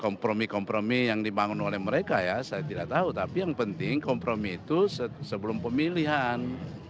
kompromi kompromi yang dibangun oleh mereka ya saya tidak tahu tapi yang penting kompromi itu sebelum pemilihan